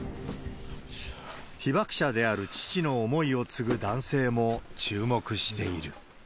被爆者である父の思いを継ぐ男性も、注目している。